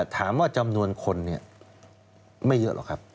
ถามว่าจำนวนคนเนี่ยไม่เยอะหรอกครับ